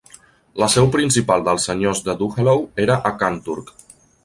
La seu principal dels senyors de Duhallow era a Kanturk.